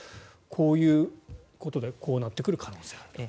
こういうことでこうなってくる可能性があると。